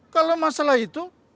kalau masalah itu